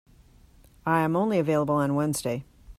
I am only available on Wednesday.